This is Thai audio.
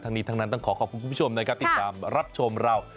ทั้งนี้ทั้งนั้นต้องขอขอบคุณคุณผู้ชมนะครับติดตามรับชมเรา